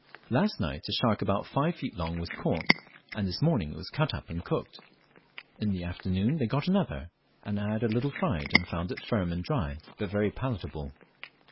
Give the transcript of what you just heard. Last night a shark about five feet long was caught, and this morning it was cut up and cooked. In the afternoon they got another, and I had a little fried, and found it firm and dry, but very palatable.